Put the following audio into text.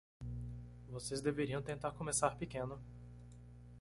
Vocês deveriam tentar começar pequeno.